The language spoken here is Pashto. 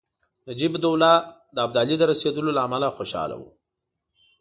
نجیب الدوله د ابدالي د رسېدلو له امله خوشاله وو.